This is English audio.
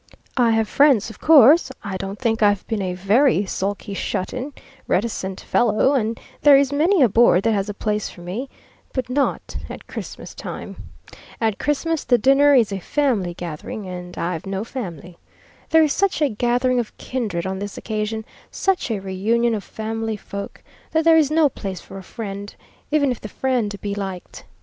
I have friends, of course; I don't think I've been a very sulky, shut in, reticent fellow; and there is many a board that has a place for me but not at Christmastime. At Christmas, the dinner is a family gathering; and I've no family. There is such a gathering of kindred on this occasion, such a reunion of family folk, that there is no place for a friend, even if the friend be liked.